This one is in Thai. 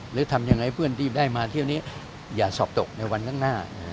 หรือทำยังไงเพื่อนที่ได้มาเที่ยวนี้อย่าสอบตกในวันข้างหน้า